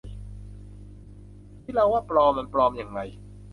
ที่เราว่า ปลอม มันปลอมอย่างไร